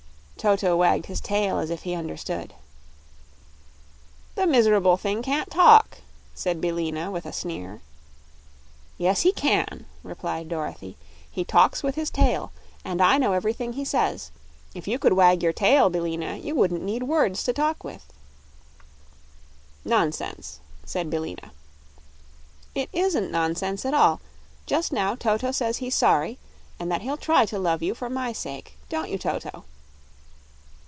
Toto wagged his tail as if he understood. "The miserable thing can't talk," said Billina, with a sneer. "Yes, he can," replied Dorothy; "he talks with his tail, and I know everything he says. If you could wag your tail, Billina, you wouldn't need words to talk with." "Nonsense!" said Billina. "It isn't nonsense at all. Just now Toto says he's sorry, and that he'll try to love you for my sake. Don't you, Toto?"